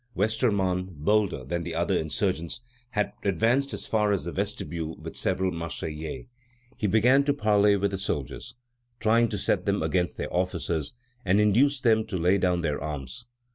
Westermann, bolder than the other insurgents, had advanced as far as the vestibule with several Marseillais. He began to parley with the soldiers, trying to set them against their officers and induce them to lay down their arms.